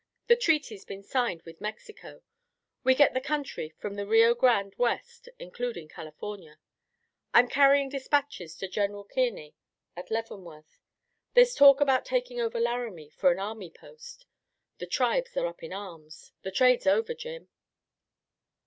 The treaty's been signed with Mexico. We get the country from the Rio Grande west, including California. I'm carrying dispatches to General Kearny at Leavenworth. There's talk about taking over Laramie for an Army post. The tribes are up in arms. The trade's over, Jim."